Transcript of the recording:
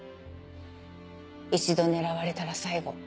一度狙われたら最後。